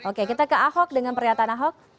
oke kita ke ahok dengan pernyataan ahok